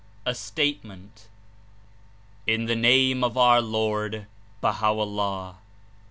6i A STATEMENT /;/ the Name of our Lord, Baha'o'llah!